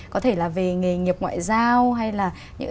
có thể là về nghề nghiệp ngoại giao hay là những